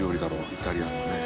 イタリアンのね。